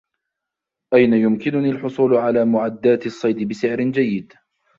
أين يمكنني الحصول على معدات الصيد بسعر جيد؟